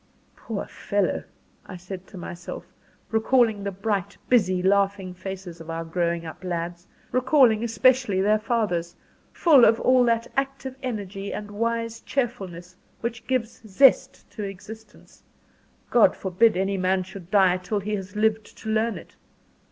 "Poor fellow!" said I to myself, recalling the bright, busy, laughing faces of our growing up lads, recalling especially their father's full of all that active energy and wise cheerfulness which gives zest to existence; God forbid any man should die till he has lived to learn it!